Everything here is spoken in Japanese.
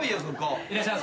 いらっしゃいませ。